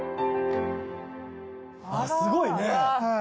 すごいね。